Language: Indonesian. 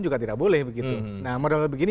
juga tidak boleh begitu nah model begini